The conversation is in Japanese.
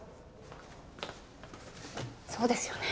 そうですよね。